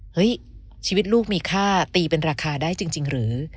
เฮ้ยชีวิตลูกมีค่าตีเป็นราคาได้จริงหรือ